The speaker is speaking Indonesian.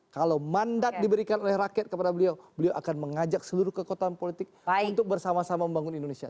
kalau mandat diberikan oleh rakyat kepada beliau beliau akan mengajak seluruh kekuatan politik untuk bersama sama membangun indonesia